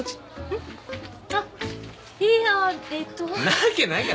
なわけないか。